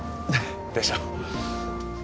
でしょ